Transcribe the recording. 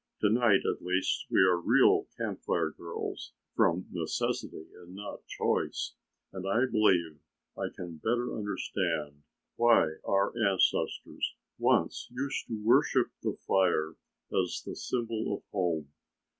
"To night, at least, we are real Camp Fire girls from necessity and not choice, and I believe I can better understand why our ancestors once used to worship the fire as the symbol of home.